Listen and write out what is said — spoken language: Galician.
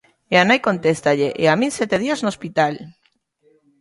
E a nai contéstalle: "E a min sete días no hospital!".